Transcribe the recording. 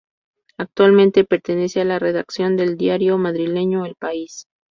Actualmente pertenece a la redacción del diario madrileño El País.